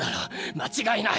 間違いない！！